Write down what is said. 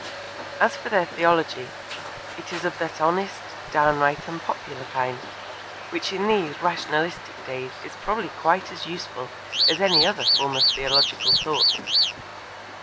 As for their theology, it is of that honest, downright and popular kind, which in these rationalistic days is probably quite as useful as any other form of theological thought.